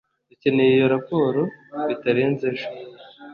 Dukeneye iyo raporo bitarenze ejo